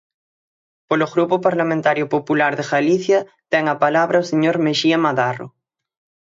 Polo Grupo Parlamentario Popular de Galicia, ten a palabra o señor Mexía Madarro.